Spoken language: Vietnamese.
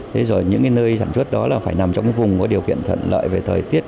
thế rồi những cái nơi sản xuất đó là phải nằm trong cái vùng có điều kiện thuận lợi về thời tiết